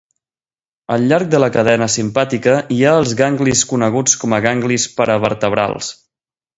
Al llarg de la cadena simpàtica hi ha els ganglis coneguts com a ganglis paravertebrals.